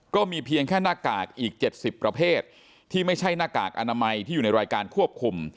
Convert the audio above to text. ก็มีเพียงแค่หน้ากากอีก๗๐ประเภทที่ไม่ใช่หน้ากากอนามัยที่อยู่ในรายการควบคุม